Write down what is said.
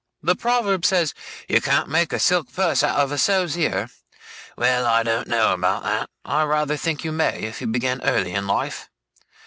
The proverb says, "You can't make a silk purse out of a sow's ear." Well, I don't know about that. I rather think you may, if you begin early in life.